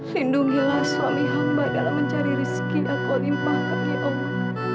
lindungilah suami hamba dalam mencari rizki yang kau limpahkan ya allah